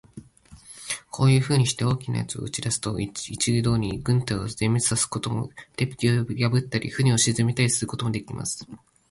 こういうふうにして、大きな奴を打ち出すと、一度に軍隊を全滅さすことも、鉄壁を破ったり、船を沈めてしまうこともできます。